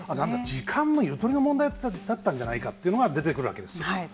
時間のゆとりの問題だったんじゃないかというのが出てくるわけですよ。